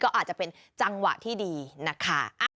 ก็อาจจะเป็นจังหวะที่ดีนะคะ